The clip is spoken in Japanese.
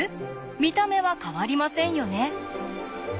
見た目は変わりませんよね。